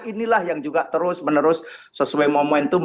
inilah yang juga terus menerus sesuai momentum